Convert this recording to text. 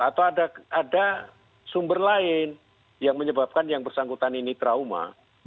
atau ada sumber lain yang menyebabkan yang bersangkutan ini trauma